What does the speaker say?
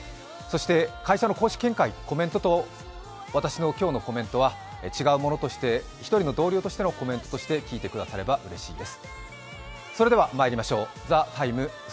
会社の公式見解と私のコメントは違うものとして、１人の同僚としてのコメントとして聞いてくださればうれしいです。